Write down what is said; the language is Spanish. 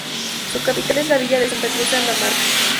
Su capital es la villa de "Santa Cruz de Andamarca".